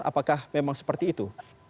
apakah memang seperti itu